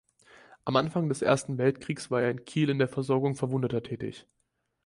Am Anfang des Ersten Weltkriegs war er in Kiel in der Versorgung Verwundeter tätig.